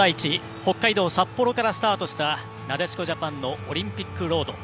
北海道札幌からスタートしたなでしこジャパンのオリンピックロード。